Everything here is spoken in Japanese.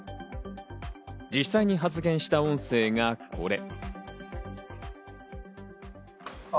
実際に発言した音声が、これ。